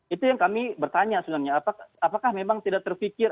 itu yang kami bertanya sebenarnya apakah memang tidak terpikir